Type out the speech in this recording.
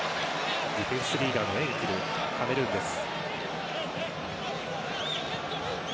ディフェンスリーダーのエンクルカメルーンです。